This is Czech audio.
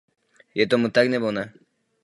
Je tomu tak, nebo ne?